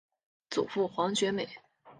祖父黄厥美。